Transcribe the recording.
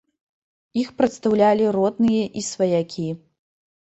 Іх прадстаўлялі родныя і сваякі.